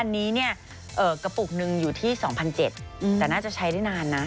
อันนี้เนี่ยกระปุกหนึ่งอยู่ที่๒๗๐๐แต่น่าจะใช้ได้นานนะ